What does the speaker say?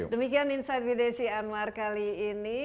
demikian insight with desi anwar kali ini